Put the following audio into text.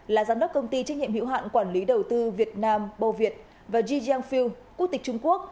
là giám đốc công ty trách nhiệm hữu hạn quản lý đầu tư việt nam bô việt và ji jiang phil quốc tịch trung quốc